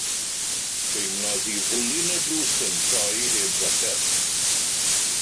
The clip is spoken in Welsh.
Teimlodd hi fwlyn y drws yn troi heb drafferth.